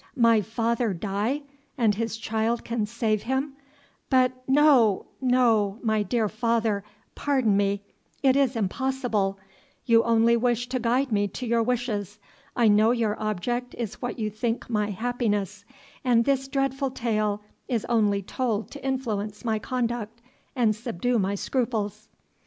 "My father die, and his child can save him! but no no my dear father, pardon me, it is impossible; you only wish to guide me to your wishes. I know your object is what you think my happiness, and this dreadful tale is only told to influence my conduct and subdue my scruples."